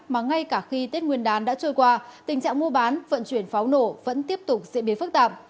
mà ngay cả khi tết nguyên đán đã trôi qua tình trạng mua bán vận chuyển pháo nổ vẫn tiếp tục diễn biến phức tạp